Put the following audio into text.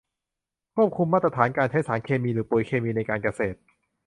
ควบคุมมาตรฐานการใช้สารเคมีหรือปุ๋ยเคมีในการเกษตร